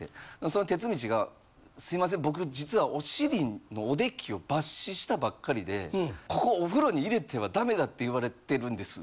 そのてつみちが「すいません僕実はお尻のおできを抜糸したばっかりでここお風呂に入れてはダメだって言われてるんです」